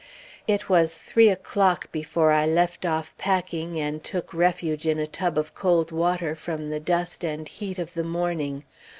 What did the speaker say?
It was three o'clock before I left off packing, and took refuge in a tub of cold water, from the dust and heat of the morning.